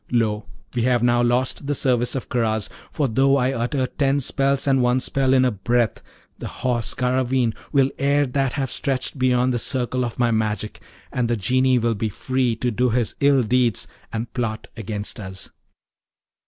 Lo, we have now lost the service of Karaz! for though I utter ten spells and one spell in a breath, the Horse Garraveen will ere that have stretched beyond the circle of my magic, and the Genie will be free to do his ill deeds and plot against us.